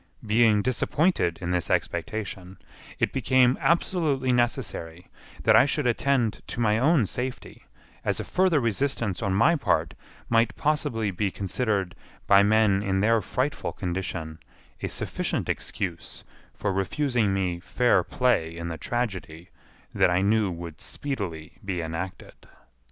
Being disappointed in this expectation, it became absolutely necessary that I should attend to my own safety, as a further resistance on my part might possibly be considered by men in their frightful condition a sufficient excuse for refusing me fair play in the tragedy that I knew would speedily be enacted.